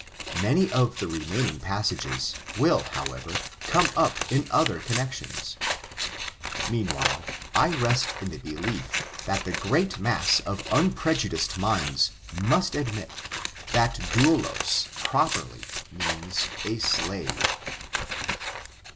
Many of the remaining passages, will, however, come up in other connections. Meanwhile, I rest in the belief, that the great mass of unprejudiced minds, must admit, that doulas properly means a dave.